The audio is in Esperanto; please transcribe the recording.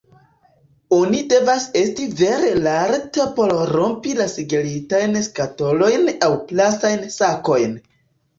Oni devas esti vere lerta por rompi la sigelitajn skatolojn aŭ plastajn sakojn.